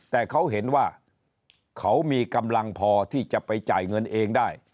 แต่เขาเห็นว่าเขามีกำลังพอที่จะไปจ่ายเงินเองได้